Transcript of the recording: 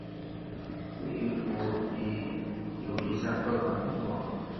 围炉里有以下各种用途。